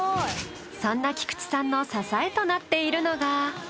そんな菊池さんの支えとなっているのが。